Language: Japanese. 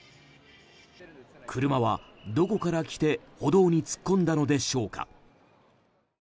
車は、どこから来て歩道に突っ込んだのでしょうか。